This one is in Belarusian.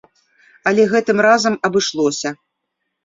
Але гэтым разам абышлося.